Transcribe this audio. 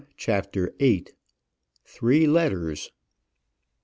CHAPTER VIII. THREE LETTERS.